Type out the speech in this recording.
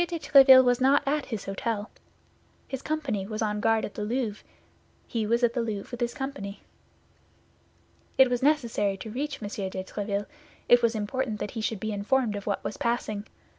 de Tréville was not at his hôtel. His company was on guard at the Louvre; he was at the Louvre with his company. It was necessary to reach M. de Tréville; it was important that he should be informed of what was passing.